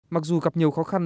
mặc dù gặp nhiều khó khăn